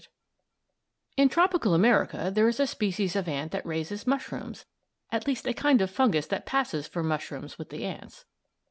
] In tropical America there is a species of ant that raises "mushrooms"; at least a kind of fungus that passes for mushrooms with the ants.